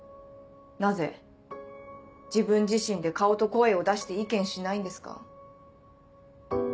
なぜ自分自身で顔と声を出して意見しないんですか？